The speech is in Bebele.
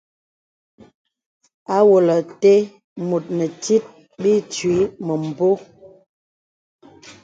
Awòlə̀ te mùt nè tit bə itwǐ mə̀mbō.